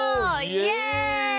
イエイ！